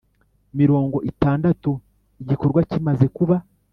mirongo itandatu igikorwa kimaze kuba